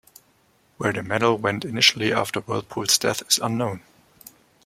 Where the medal went initially after Whirlpool's death is unknown.